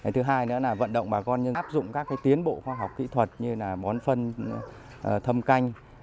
thứ hai nữa là vận động bà con áp dụng các tiến bộ khoa học kỹ thuật như là bón phân thâm canh